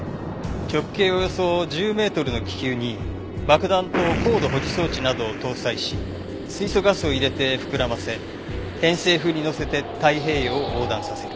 直径およそ１０メートルの気球に爆弾と高度保持装置などを搭載し水素ガスを入れて膨らませ偏西風に乗せて太平洋を横断させる。